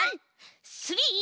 スリー。